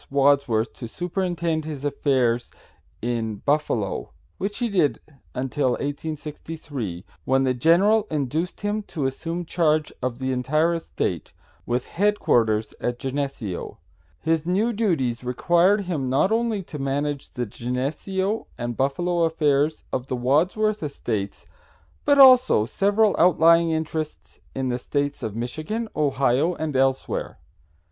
Wadsworth to superintend his affairs in Buffalo, which he did until 1863, when the general induced him to assume charge of the entire estate, with headquarters at Geneseo. His new duties required him not only to manage the Geneseo and Buffalo affairs of the Wadsworth estates, but also several outlying interests in the States of Michigan, Ohio and elsewhere.